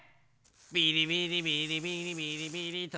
ビリビリビリビリビリビリと。